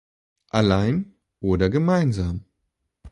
Allein oder gemeinsam?